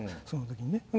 その時にね。